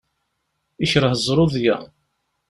Yekreh zzruḍya.